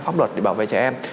pháp luật để bảo vệ trẻ em